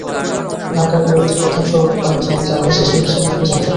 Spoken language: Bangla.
ঢাকার কয়েকটি প্রধান সড়কে পানি জমে যাওয়ায় সৃষ্টি হচ্ছে দীর্ঘ যানজট।